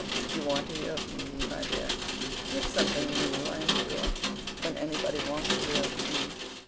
'You want to hear of me, my dear? That's something new, I am sure, when anybody wants to hear of me.